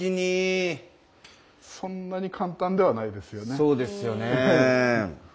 そうですよね。